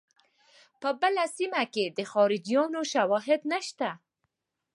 په بله سیمه کې د خلجیانو شواهد نشته.